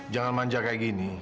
jangan manja kayak gini